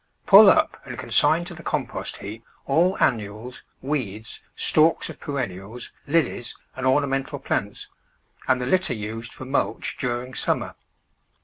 Pull up and consign to the compost heap all an nuals, weeds, stalks of perennials, Lilies, and orna mental plants, and the litter used for mulch during summer.